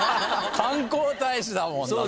観光大使だもんだって。